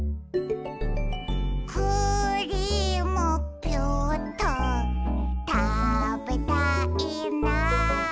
「クリームピューっとたべたいな」